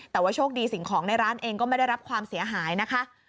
แต่ว่าโชคดีสิ่งของในร้านเองก็ไม่ได้รับความเสียหายนะคะ